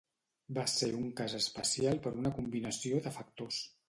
Va ser un cas especial per una combinació de factors.